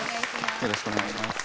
よろしくお願いします。